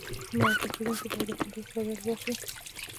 مرکه کېدونکی باید د خپل رول بدل واخلي.